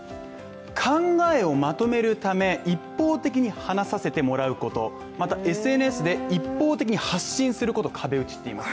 考えをまとめるため、一方的に話させてもらうことまた、ＳＮＳで一方的に発信することを壁打ちっていいます。